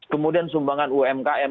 kemudian sumbangan umkm